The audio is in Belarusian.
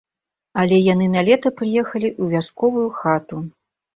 Але яны на лета прыехалі ў вясковую хату.